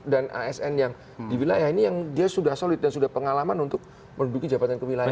dan asn yang di wilayah ini yang sudah solid dan sudah pengalaman untuk menuduki jabatan kewilayahan